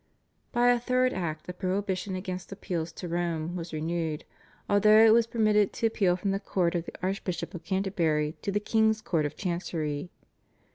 By a third Act a prohibition against appeals to Rome was renewed, although it was permitted to appeal from the court of the Archbishop of Canterbury to the king's Court of Chancery.